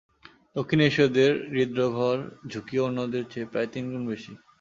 দক্ষিণ এশীয়দের হৃদ্রোগ হওয়ার ঝুঁকিও অন্যদের চেয়ে প্রায় তিন গুণ বেশি।